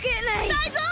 タイゾウ！